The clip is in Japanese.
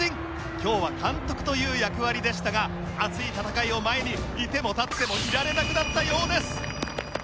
今日は監督という役割でしたが熱い戦いを前にいても立ってもいられなくなったようです！